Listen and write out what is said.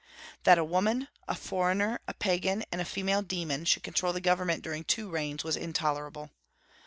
That a woman, a foreigner, a pagan, and a female demon should control the government during two reigns was intolerable.